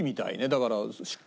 だから。